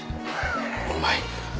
うまい。